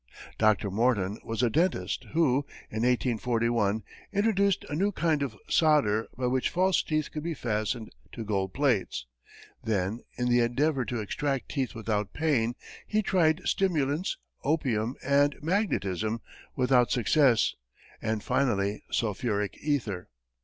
Dr. Morton was a dentist who, in 1841, introduced a new kind of solder by which false teeth could be fastened to gold plates. Then, in the endeavor to extract teeth without pain, he tried stimulants, opium and magnetism without success, and finally sulphuric ether.